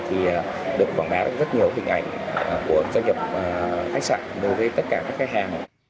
thì được quảng bá được rất nhiều hình ảnh của doanh nghiệp khách sạn đối với tất cả các khách hàng